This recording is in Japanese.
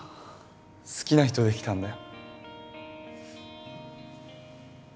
好きな人できたんだよ